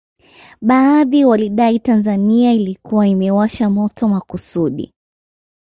Baadhi walidai Tanzania ilikuwa imewasha moto makusudi